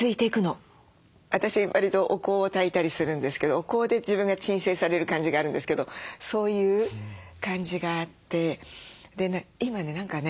私わりとお香をたいたりするんですけどお香で自分が鎮静される感じがあるんですけどそういう感じがあって今ね何かね